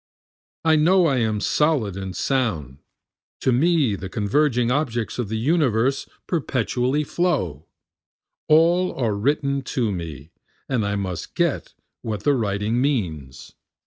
I know I am solid and sound, To me the converging objects of the universe perpetually flow, All are written to me, and I must get what the writing means.